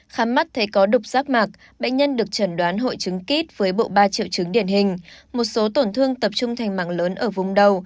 khám mắt thấy có đục rác mạc bệnh nhân được trần đoán hội chứng kít với bộ ba triệu chứng điển hình một số tổn thương tập trung thành màng lớn ở vùng đầu